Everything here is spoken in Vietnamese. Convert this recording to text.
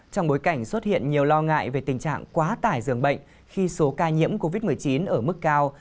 trong bối cảnh xuất hiện nhiều lo ngại về tình trạng quá tải dường bệnh khi số ca nhiễm covid một mươi chín ở mức cao